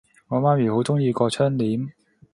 我媽咪好鍾意個窗簾